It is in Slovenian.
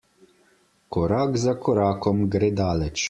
Korak za korakom gre daleč.